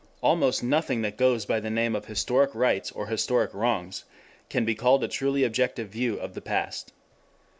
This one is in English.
Almost nothing that goes by the name of Historic Rights or Historic Wrongs can be called a truly objective view of the past.